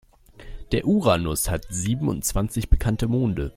Der Uranus hat siebenundzwanzig bekannte Monde.